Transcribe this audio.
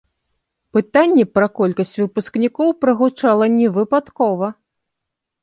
Пытанне пра колькасць выпускнікоў прагучала невыпадкова.